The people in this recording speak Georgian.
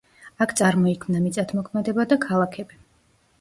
აქ წარმოიქმნა მიწათმოქმედება და ქალაქები.